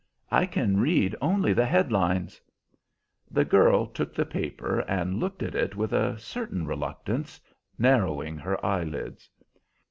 I can read only the head lines." The girl took the paper and looked at it with a certain reluctance, narrowing her eyelids.